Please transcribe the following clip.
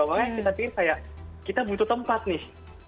makanya kita pikir kayak kita butuh tempat nih